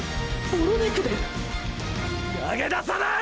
筋肉で⁉投げ出さない！！